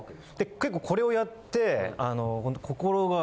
結構これをやって。